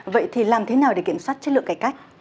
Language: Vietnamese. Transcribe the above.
vậy thì làm thế nào để kiểm soát chất lượng cải cách